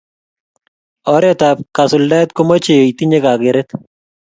oret ap kasultaet komochei itinye kakeret